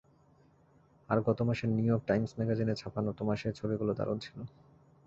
আর গতমাসের New York Times ম্যাগাজিনে ছাপানো তোমার সেই ছবিগুলো দারুন ছিল।